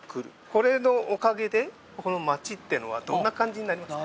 これのおかげでこの町っていうのはどんな感じになりますか？